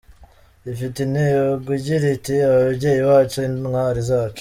Rifite intego igira iti “Ababyeyi bacu, Intwari zacu".